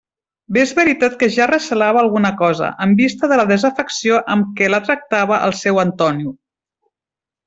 Bé és veritat que ja recelava alguna cosa, en vista de la desafecció amb què la tractava el seu Antonio.